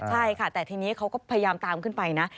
ใช่ค่ะแต่ทีนี้เขาก็พยายามตามขึ้นไปนะ